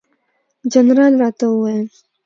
جنرال راته وویل.